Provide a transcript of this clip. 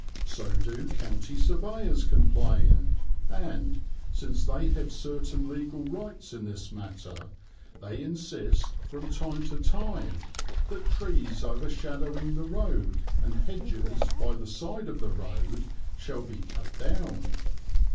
So do County Surveyors complain and, since they have certain legal rights in this matter, they insist from time to time that trees overshadowing the road and hedges by the side of the road shall be cut down.